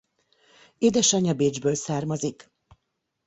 Édesanyja Bécsből származik.